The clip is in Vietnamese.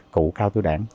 cụ cao tuổi đảng